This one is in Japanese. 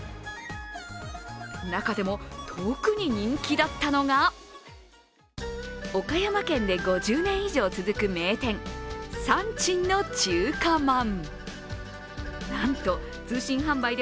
中でも特に人気だったのが、岡山県で５０年以上続く名店、山珍の中華まん。